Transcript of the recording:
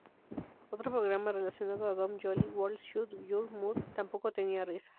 Otro programa relacionado a Dom Joly, World Shut Your Mouth, tampoco tenía risas.